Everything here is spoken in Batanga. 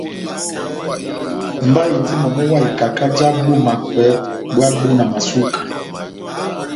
Mba indi momo wa ikaka já bomakwɛ bwá bonamasuka.